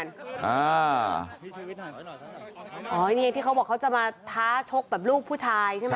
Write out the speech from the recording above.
อันนี้ที่เขาบอกเขาจะมาท้าชกแบบลูกผู้ชายใช่ไหม